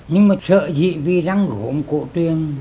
nhưng mà sợ gì vì răng của gốm cổ truyền